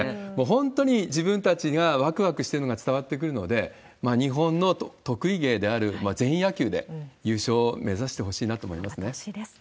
本当に自分たちがわくわくしてるのが伝わってくるので、日本の得意芸である全員野球で優勝を目指してほしいなと思います頑張ってほしいです。